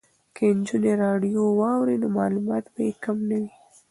که نجونې راډیو واوري نو معلومات به یې کم نه وي.